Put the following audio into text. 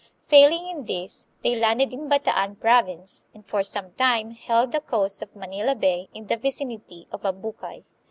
Failing in this, they landed in Bataan province, and for some time held the coast of Manila Bay in the vicinity of Abucay.